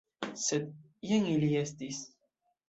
Sed jen ili estis!